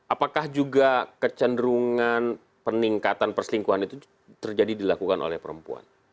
apakah juga kecenderungan peningkatan perselingkuhan itu terjadi dilakukan oleh perempuan